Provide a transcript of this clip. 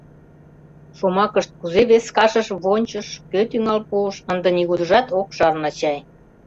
Шомакышт кузе вес кашыш вончыш, кӧ тӱҥал пуыш, ынде нигудыжат ок шарне чай.